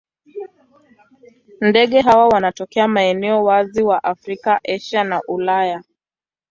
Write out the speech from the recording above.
Ndege hawa wanatokea maeneo wazi wa Afrika, Asia na Ulaya.